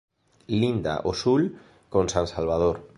Linda ao sur con San Salvador.